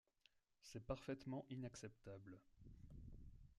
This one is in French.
C’est parfaitement inacceptable.